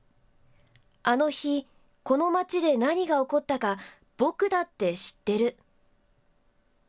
あの日、この町で何が起こったか、ぼくだって知ってる。